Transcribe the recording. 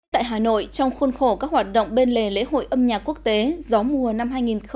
tại hà nội trong khuôn khổ các hoạt động bên lề lễ hội âm nhạc quốc tế gió mùa năm hai nghìn một mươi chín